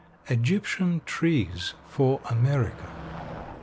EGYPTIAN TREES FOR AMERICA.